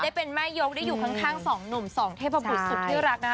ได้เป็นแม่ยกได้อยู่ข้างสองหนุ่มสองเทพบุตรสุดที่รักนะคะ